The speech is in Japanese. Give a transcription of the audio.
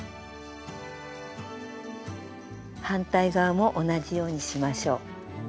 反対側も同じようにしましょう。